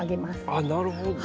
あっなるほど。